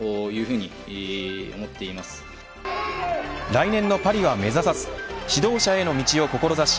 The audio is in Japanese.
来年のパリは目指さず指導者への道を志し